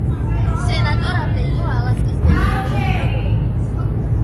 სენატორობამდე, იყო ალასკის გენერალური პროკურორი.